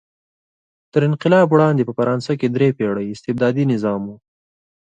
تر انقلاب وړاندې په فرانسه کې درې پېړۍ استبدادي نظام و.